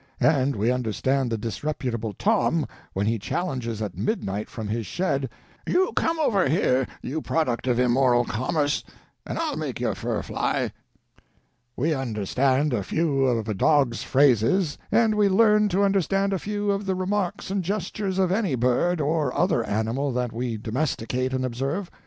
and we understand the disreputable Tom when he challenges at midnight from his shed, "You come over here, you product of immoral commerce, and I'll make your fur fly!" We understand a few of a dog's phrases and we learn to understand a few of the remarks and gestures of any bird or other animal that we domesticate and observe.